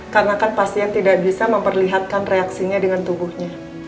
karena kan pasien tidak bisa memperlihatkan reaksinya dengan tubuhnya